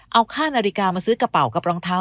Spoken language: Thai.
เอาค่านาฬิกามาซื้อกระเป๋ากับรองเท้า